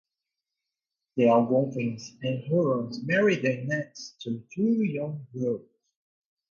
The Algonquins and Hurons married their nets to two young girls.